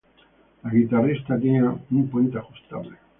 La guitarra tenía un puente ajustable.